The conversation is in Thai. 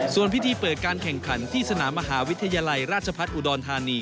ส่วนพิธีเปิดการแข่งขันที่สนามมหาวิทยาลัยราชพัฒน์อุดรธานี